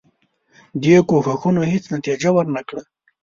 دې کوښښونو هیڅ نتیجه ورنه کړه.